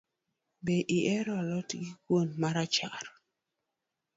Be ihero a lot gi kuon marachar.